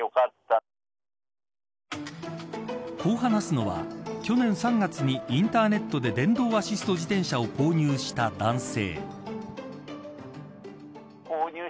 こう話すのは、去年３月にインターネットで電動アシスト自転車を購入した男性。